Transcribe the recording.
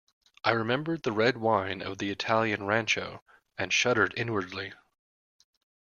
I remembered the red wine of the Italian rancho, and shuddered inwardly.